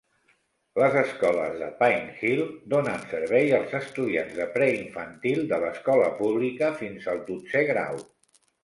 Les escoles de Pine Hill donen servei als estudiants de preinfantil de l'escola pública fins al dotzè grau.